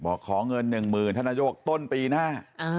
บอกขอเงินหนึ่งหมื่นธนโยคต้นปีหน้า